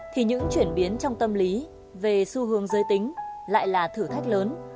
thì những chuyển biến trong tâm lý về xu hướng giới tính lại là thử thách lớn